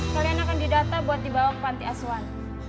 kalian akan didata buat dibawa ke panti asuhan